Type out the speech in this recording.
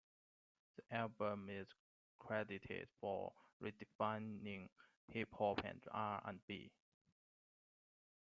The album is credited for redefining hip hop and R and B.